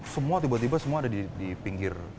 semua tiba tiba semua ada di pinggir